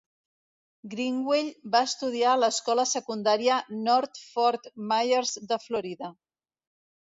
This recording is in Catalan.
Greenwell va estudiar a l'escola secundària North Fort Myers de Florida.